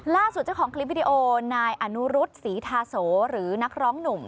เจ้าของคลิปวิดีโอนายอนุรุษศรีทาโสหรือนักร้องหนุ่ม